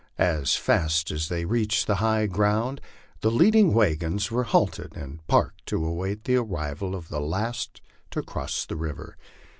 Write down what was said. As fast as they reached the high ground the leading wagons were halted and parked to await the arrival of the last to cross the river.